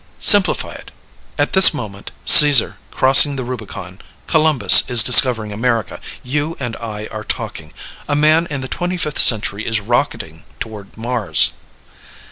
"Simplify it. At this moment, Caesar crossing the Rubicon; Columbus is discovering America; you and I are talking; a man in the twenty fifth century is rocketing toward Mars."